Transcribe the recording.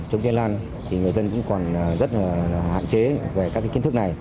chống chênh lan thì người dân cũng còn rất là hạn chế về các cái kiến thức này